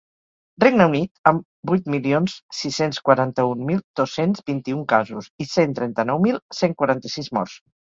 Regne Unit, amb vuit milions sis-cents quaranta-un mil dos-cents vint-i-un casos i cent trenta-nou mil cent quaranta-sis morts.